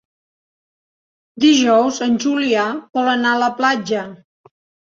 Dijous en Julià vol anar a la platja.